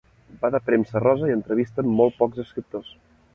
Va de premsa rosa i entrevisten molt pocs escriptors.